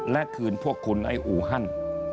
และคืนพวกคุณไอ้อูฮัน